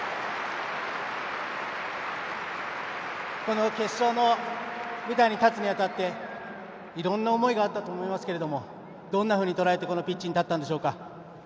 この決勝の舞台に立つにあたっていろんな思いがあったと思いますがどんなふうにとらえてピッチに立ったんでしょうか。